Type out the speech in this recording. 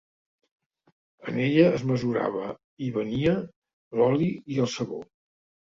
En ella es mesurava i venia l'oli i el sabó.